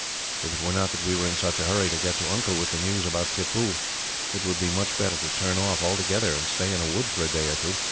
"If it were not that we are in such a hurry to get to Uncle with the news about Tippoo, it would be much better to turn off, altogether, and stay in a wood for a day or two.